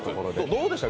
どうでした？